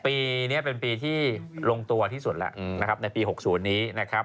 ปีนี้บันที่ที่ลงตัวอันที่สุดแล้วปี๖๐นี้นะครับ